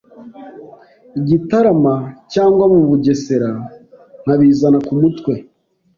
i Gitarama cyangwa mu Bugesera , nkabizana ku mutwe.